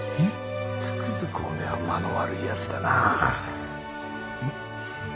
つくづくおめえは間の悪いやつだな。